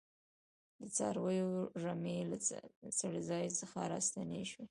د څارویو رمې له څړځای څخه راستنې شوې.